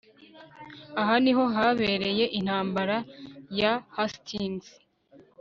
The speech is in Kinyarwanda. aha niho habereye intambara ya hastings